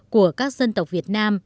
của các dân tộc việt nam